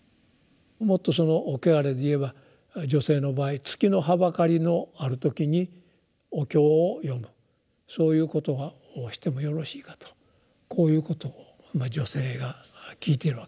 もっとその穢れでいえば女性の場合「月のはばかりのあるときにお経を読むそういうことをしてもよろしいか？」とこういうことを女性が聞いているわけですね。